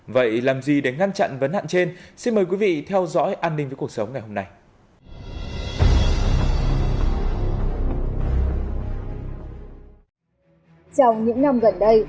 vậy làm gì để ngăn chặn vấn nạn trên xin mời quý vị theo dõi an ninh với cuộc sống ngày hôm nay